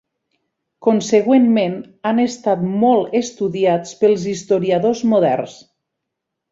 Consegüentment, han estat molt estudiats pels historiadors moderns.